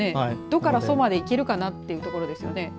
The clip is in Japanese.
ドからソまで、いけるかなというところですよね。